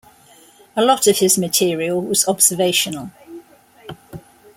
A lot of his material was observational.